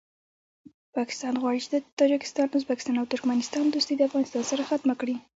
پاکستان غواړي چې د تاجکستان ازبکستان او ترکمستان دوستي د افغانستان سره ختمه کړي